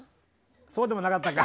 そうでもなかったか。